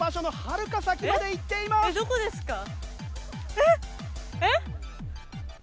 えっ？えっ？